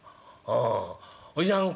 「ああおじさん